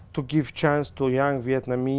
tôi đề nghị cho các người việt nam